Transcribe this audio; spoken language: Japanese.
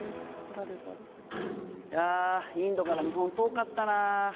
インドから日本遠かったな。